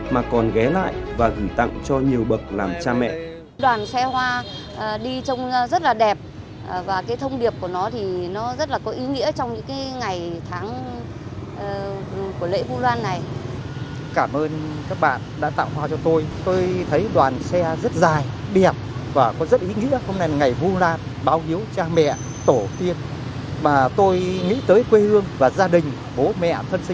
mà còn ghé lại và gửi tặng cho nhiều bậc làm cha mẹ